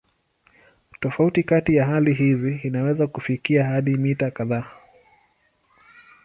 Tofauti kati ya hali hizi inaweza kufikia hadi mita kadhaa.